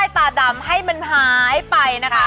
ตาดำให้มันหายไปนะคะ